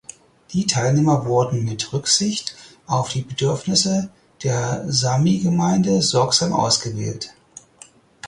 Die Teilnehmer wurden mit Rücksicht auf die Bedürfnisse der Samigemeinde sorgsam ausgewählt.